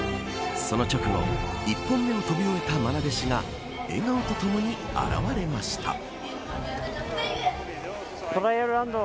その直後、１本目を飛び終えたまな弟子が笑顔とともに現れました。